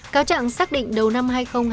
cáo trạng xác định đầu năm hai nghìn hai mươi